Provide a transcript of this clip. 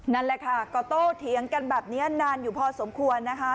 นั่นแหละค่ะก็โตเถียงกันแบบนี้นานอยู่พอสมควรนะคะ